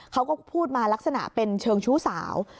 เขาก็พูดมาลักษณะเป็นเชิงชู้สาว